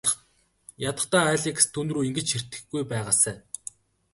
Ядахдаа Алекс түүнрүү ингэж ширтэхгүй байгаасай.